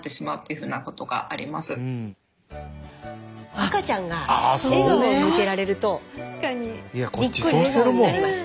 赤ちゃんが笑顔を向けられるとニッコリ笑顔になります。